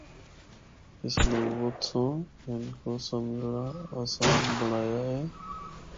اس لغت سنڑ ہندکو سمجھنڑا آسان پنڑایا اے۔